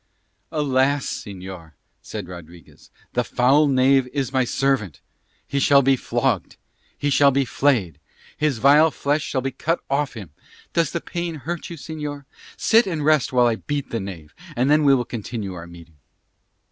"Alas, señor," said Rodriguez, "the foul knave is my servant. He shall be flogged. He shall be flayed. His vile flesh shall be cut off him. Does the hurt pain you, señor? Sit and rest while I beat the knave, and then we will continue our meeting."